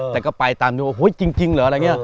แต่ก็ไปตามนึงว่าจริงเหรอ